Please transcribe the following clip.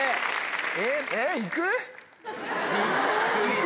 えっいく？